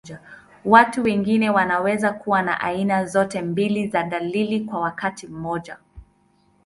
Watu wengine wanaweza kuwa na aina zote mbili za dalili kwa wakati mmoja.